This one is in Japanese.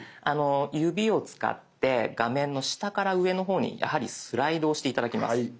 指を使って画面の下から上の方にスライドをして頂きます。